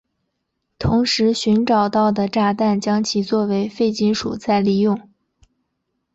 同时寻找到的炸弹将其作为废金属再利用。